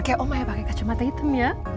kayak oma yang pakai kacamata hitam ya